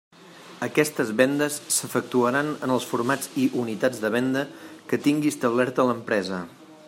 Aquestes vendes s'efectuaran en els formats i unitats de venda que tingui establerta l'empresa.